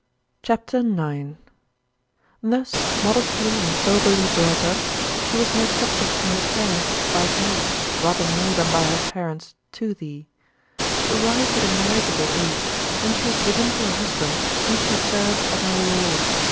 CHAPTER IX 19. Thus modestly and soberly brought up, she was made subject to her parents by thee, rather more than by her parents to thee. She arrived at a marriageable age, and she was given to a husband whom she served as her lord.